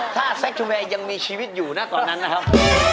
ถ้าแซคชูเมย์ยังมีชีวิตอยู่นะตอนนั้นนะครับ